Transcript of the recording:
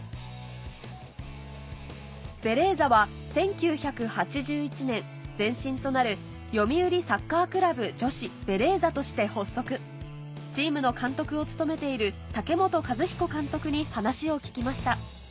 ベレーザは１９８１年前身となる読売サッカークラブ女子・ベレーザとして発足チームの監督を務めているに話を聞きました